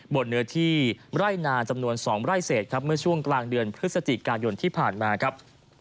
บนเนื้อที่ไร่นาจำนวน๒ไร่เศษครับเมื่อช่วงกลางเดือนพฤศจิกายนที่ผ่านมาครับ